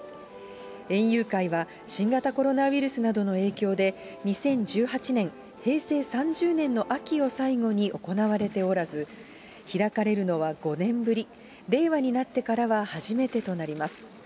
園遊会は、新型コロナウイルスなどの影響で、２０１８年・平成３０年の秋を最後に行われておらず、開かれるのは５年ぶり、令和になってからは初めてとなります。